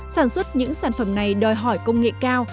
sản xuất những sản phẩm này đòi hỏi công nghệ cao